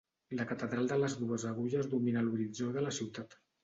La catedral de les dues agulles domina l'horitzó de la ciutat.